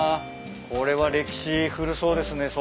これは歴史古そうですね相当。